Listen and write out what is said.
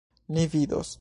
Ni vidos.